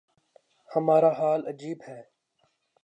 ہمارا حال عجیب ہے۔